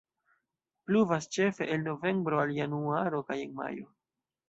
Pluvas ĉefe el novembro al januaro kaj en majo.